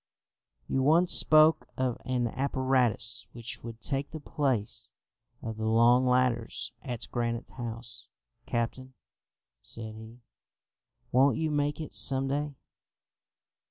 "You once spoke of an apparatus which would take the place of the long ladders at Granite House, captain," said he; "won't you make it some day?"